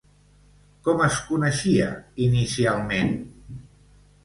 Com es coneixia inicialment?